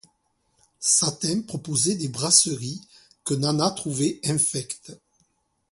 Satin proposait des brasseries que Nana trouvait infectes.